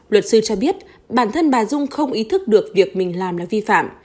luật sư cho biết bản thân bà dung không ý thức được việc mình làm là vi phạm